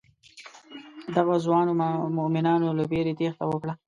دغو ځوانو مومنانو له وېرې تېښته وکړه.